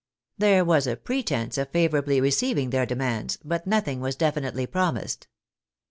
There was a pretence of favor ably receiving their demands, but nothing was def initely promised.